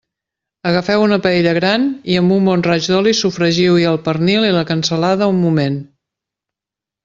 Agafeu una paella gran i amb un bon raig d'oli sofregiu-hi el pernil i la cansalada un moment.